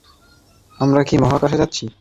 আমরা কি মহাকাশে যাচ্ছি?